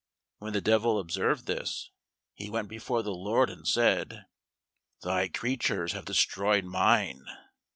When the devil observed this, he went before the Lord and said, "Thy creatures have destroyed mine."